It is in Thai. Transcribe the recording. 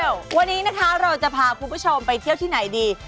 วันนี้นะคะเราจะพาคุณผู้ชมไปเที่ยวที่ไหนดี